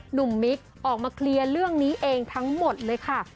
มิ๊กออกมาเคลียร์เรื่องนี้เองทั้งหมดเลยค่ะ